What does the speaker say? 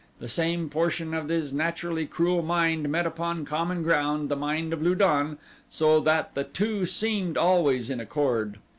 The same portion of his naturally cruel mind met upon common ground the mind of Lu don, so that the two seemed always in accord.